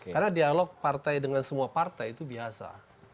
karena dialog partai dengan semua partai itu biasa